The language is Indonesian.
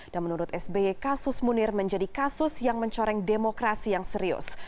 dan menurut sbi kasus munir menjadi kasus yang mencoreng demokrasi yang serius